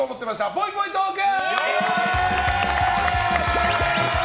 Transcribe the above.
ぽいぽいトーク！